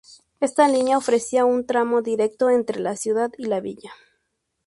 Esta línea ofrecía un tramo directo entre la ciudad y la villa.